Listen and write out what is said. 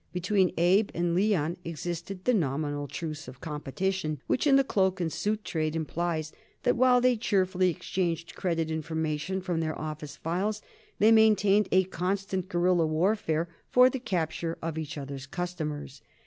Between Abe and Leon existed the nominal truce of competition, which in the cloak and suit trade implies that while they cheerfully exchanged credit information from their office files they maintained a constant guerilla warfare for the capture of each other's customers.